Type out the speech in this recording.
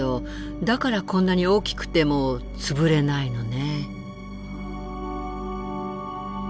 だからこんなに大きくても潰れないのね。